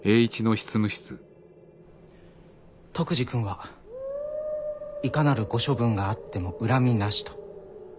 篤二君はいかなるご処分があっても怨みなしと。